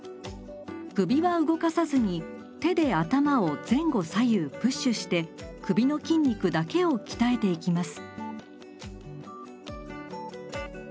首は動かさずに手で頭を前後左右プッシュして首の筋肉だけを鍛えていきます。